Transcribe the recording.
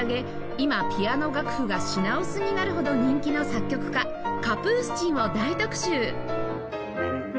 今ピアノ楽譜が品薄になるほど人気の作曲家カプースチンを大特集！